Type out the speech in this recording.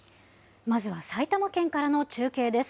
まずは埼玉県からの中継です。